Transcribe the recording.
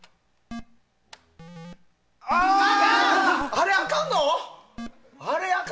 あれあかんの？